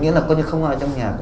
nghĩa là có gì không ở trong nhà kìa